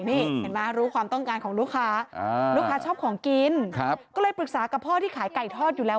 นี่เห็นไหมรู้ความต้องการของลูกค้าลูกค้าชอบของกินก็เลยปรึกษากับพ่อที่ขายไก่ทอดอยู่แล้ว